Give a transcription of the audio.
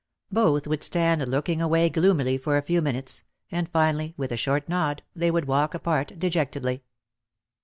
Both would stand looking away gloomily for a few minutes and finally with a short nod they would walk apart dejectedly.